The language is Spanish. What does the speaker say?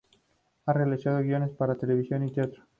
Ha realizado guiones para Televisión y teatro.